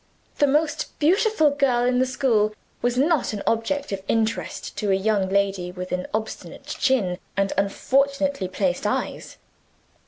The most beautiful girl in the school was not an object of interest to a young lady with an obstinate chin and unfortunately placed eyes.